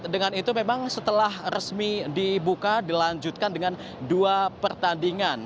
dengan itu memang setelah resmi dibuka dilanjutkan dengan dua pertandingan